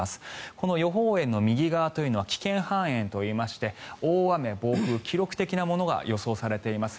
この予報円の右側というのは危険半円といいまして大雨、暴風、記録的なものが予想されています。